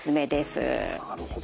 なるほど。